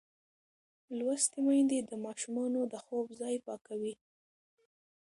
لوستې میندې د ماشومانو د خوب ځای پاکوي.